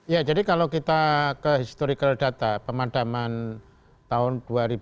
ya jadi kalau kita ke historical data pemadaman tahun dua ribu dua